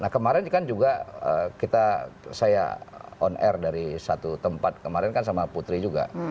nah kemarin kan juga saya on air dari satu tempat kemarin kan sama putri juga